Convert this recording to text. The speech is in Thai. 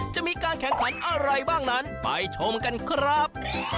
จะมีการแข่งขันอะไรบ้างนั้นไปชมกันครับ